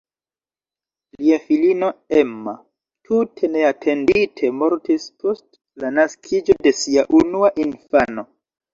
Lia filino "Emma" tute neatendite mortis post la naskiĝo de sia unua infano.